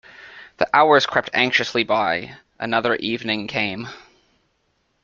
The hours crept anxiously by: another evening came.